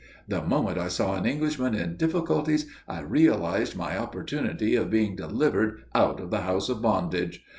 The moment I saw an Englishman in difficulties, I realized my opportunity of being delivered out of the House of Bondage.